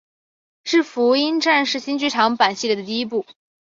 是福音战士新剧场版系列的第一部。